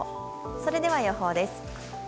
それでは予報です。